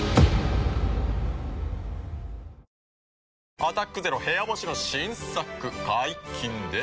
「アタックＺＥＲＯ部屋干し」の新作解禁です。